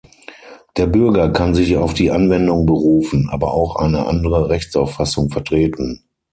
Der Bürger kann sich auf die Anwendung berufen, aber auch eine andere Rechtsauffassung vertreten.